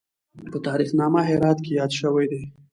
په تاریخ نامه هرات کې یاد شوی دی.